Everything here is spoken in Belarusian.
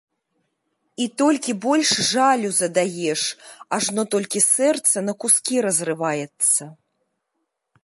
І толькі больш жалю задаеш, ажно толькі сэрца на кускі разрываецца.